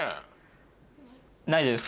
ないです。